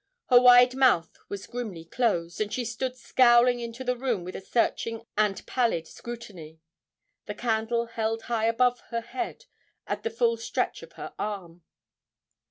Her wide mouth was grimly closed, and she stood scowling into the room with a searching and pallid scrutiny, the candle held high above her head at the full stretch of her arm.